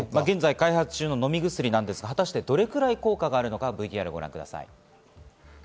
開発中の飲み薬ですがどれぐらい効果があるのか、ＶＴＲをご覧ください。